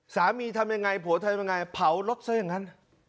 ทำยังไงผัวทำยังไงเผารถซะอย่างนั้น